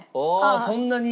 そんなに。